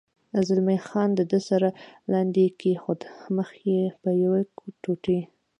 زلمی خان د ده سر لاندې کېښود، مخ یې په یوې ټوټې.